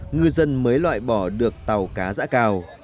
ngư dân mới loại bỏ được tàu cá giã cào